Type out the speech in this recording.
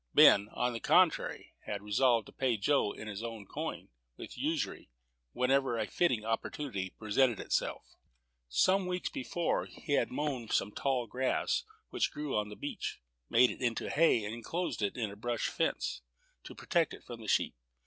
Ben, on the contrary, had resolved to pay Joe in his own coin, with usury, whenever a fitting opportunity presented itself. Some weeks before he had mown some tall grass, which grew on the beach, made it into hay, and enclosed it with a brush fence, to protect it from the sheep.